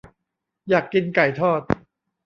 อยากกินไก่ทอด